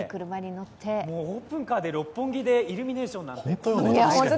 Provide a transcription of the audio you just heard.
オープンカーで六本木でイルミネーションなんて。